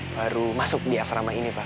baru masuk di asrama ini pak